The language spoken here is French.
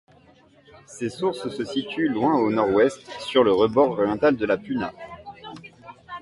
Ses sources se situent loin au nord-ouest, sur le rebord oriental de la Puna.